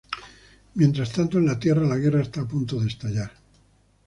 Mientras tanto en la Tierra la guerra está a punto de estallar.